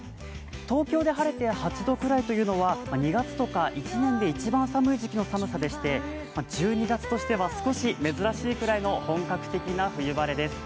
東京で晴れて８度ぐらいというのは２月とか一年で一番寒い時期の気温でして、１２月としては少し珍しいくらいの本格的な冬晴れです。